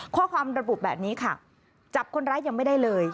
ข้อความระบุแบบนี้ค่ะจับคนร้ายยังไม่ได้เลย